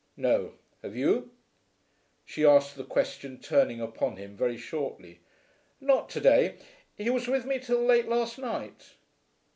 "No. Have you?" she asked the question turning upon him very shortly. "Not to day. He was with me till late last night."